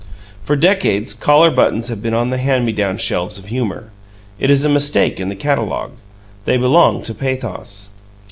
For decades, collar buttons have been on the hand me down shelves of humor; it is a mistake in the catalogue. They belong to pathos.